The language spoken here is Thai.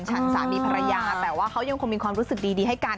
ฉันสามีภรรยาแต่ว่าเขายังคงมีความรู้สึกดีให้กัน